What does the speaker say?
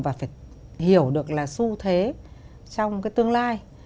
và phải hiểu được là xu thế trong cái tương lai